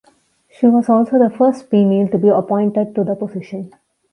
She was also the first female to be appointed to the position.